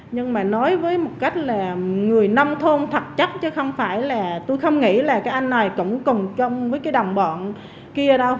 nhưng mà nói với một cách là người nông thôn thật chắc chứ không phải là tôi không nghĩ là cái anh này cũng cùng chung với cái đồng bọn kia đâu